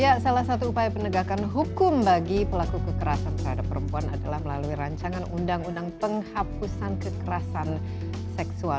ya salah satu upaya penegakan hukum bagi pelaku kekerasan terhadap perempuan adalah melalui rancangan undang undang penghapusan kekerasan seksual